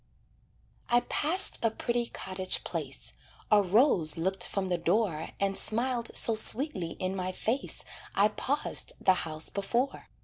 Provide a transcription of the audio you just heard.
I passed a pretty cottage place, A rose looked from the door And smiled so sweetly in my face I paused the house before.